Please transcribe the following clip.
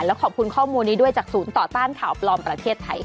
แล้วขอบคุณข้อมูลนี้ด้วยจากศูนย์ต่อต้านข่าวปลอมประเทศไทยค่ะ